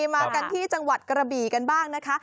มากันที่จังหวัดกระบี่กันบ้างนะคะ